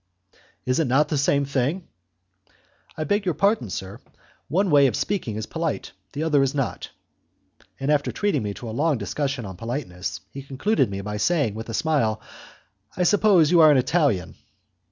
"Is it not the same thing?" "I beg your pardon, sir, one way of speaking is polite, the other is not." And after treating me to a long dissection on politeness, he concluded by saying, with a smile, "I suppose you are an Italian?"